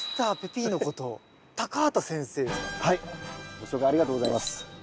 ご紹介ありがとうございます。